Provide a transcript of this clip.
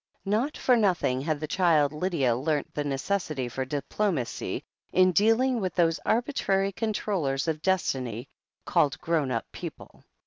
Not for nothing Jiad the child Lydia learnt the necessity for diplomacy in dealing with those arbitrary controllers of Destiny called grown up people.